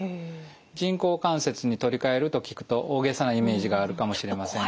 人工関節に取り替えると聞くと大げさなイメージがあるかもしれませんが。